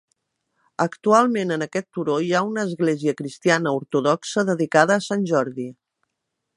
Actualment en aquest turó hi ha una església cristiana ortodoxa dedicada a Sant Jordi.